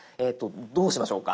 どうしましょうか？